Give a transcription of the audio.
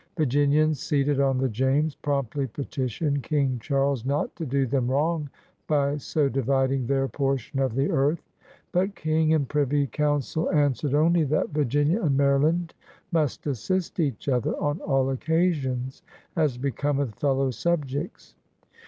Virginians seated on the James promptly petitioned King Charles not to do them wrong by so dividing their portion of the earth. But King and Privy Council answered only that Virginia and Maryland must "assist each other on all occasions as becometh fellow subjects."